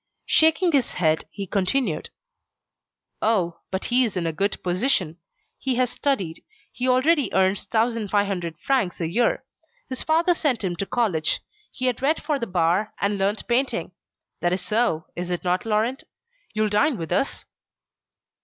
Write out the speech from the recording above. Shaking his head, he continued: "Oh! but he is in a good position. He has studied. He already earns 1,500 francs a year. His father sent him to college. He had read for the bar, and learnt painting. That is so, is it not, Laurent? You'll dine with us?"